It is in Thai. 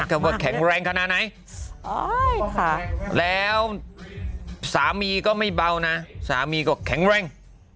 คำว่าแข็งแรงขนาดไหนแล้วสามีก็ไม่เบานะสามีก็แข็งแรง